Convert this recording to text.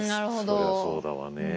そりゃそうだわね。